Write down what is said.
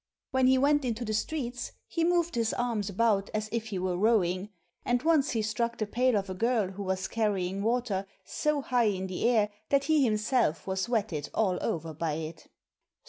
When he went into the streets, he moved his arms about as if he were rowing; and once he struck the pail of a girl, who was carrying water, so high in the air that he himself was wetted all over by it.